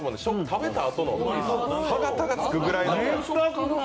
食べたあとの歯形がつくぐらいの。